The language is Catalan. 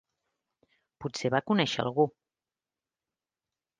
Potser va conèixer algú.